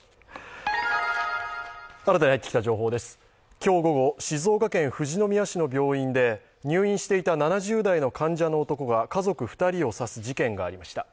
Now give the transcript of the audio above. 今日午後、静岡県富士宮市の病院で入院していた７０代の患者の男が家族２人を刺す事件がありました。